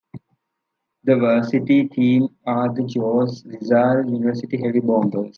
The varsity team are the Jose Rizal University Heavy Bombers.